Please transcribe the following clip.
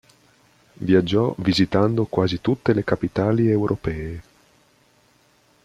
Viaggiò visitando quasi tutte le capitali europee.